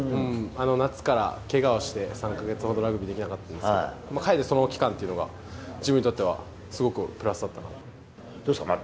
夏からけがをして３か月ほど、ラグビーできなかったですけど、かえってその期間っていうのが、自分にとってはすごくプラスだったかな。